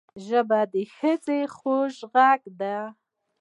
ژبه د ښځې خوږ غږ دی